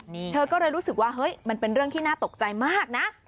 นี่เธอก็เลยรู้สึกว่าเฮ้ยมันเป็นเรื่องที่น่าตกใจมากนะ